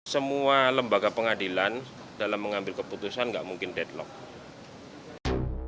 semua lembaga pengadilan dalam mengambil keputusan nggak mungkin deadlock